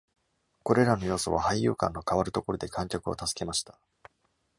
これらの要素は、俳優間の変わるところで観客を助けました。